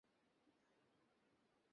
সে একদম বিচ্ছিন্ন।